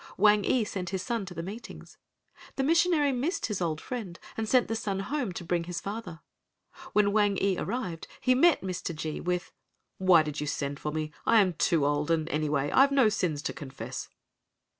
Wang ee sent his son to the meetings. The missionary missed his old friend and sent the son home to bring his father. When Wang ee arrived he met Mr. G—— with, "Why did you send for me? I am too old and, anyway, I've no sins to confess."